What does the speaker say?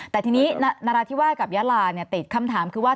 แต่ทีนี้นราธิวาสกับยาลาติดคำถามคือว่า